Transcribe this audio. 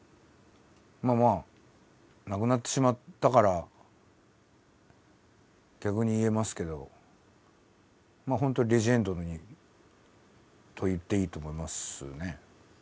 まあまあ亡くなってしまったから逆に言えますけどまあ本当にレジェンドと言っていいと思いますね。